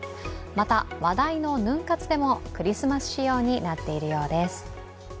また話題のヌン活でもクリスマス仕様になっているようです。